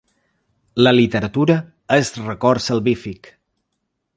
La literatura és record salvífic.